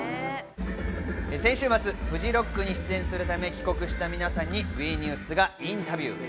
先週末、フジロックに出演するため帰国した皆さんにＷＥニュースがインタビュー。